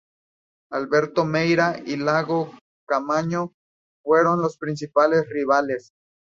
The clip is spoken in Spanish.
Alberto Meira y Iago Caamaño fueron los principales rivales.